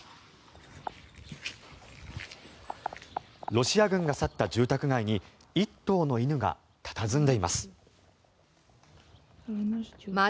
ロシア軍が去った住宅街に１頭の犬が佇んでいます。